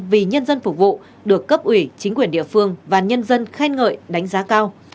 vì nhân dân phục vụ được cấp ủy chính quyền địa phương và nhân dân khen ngợi đánh giá cao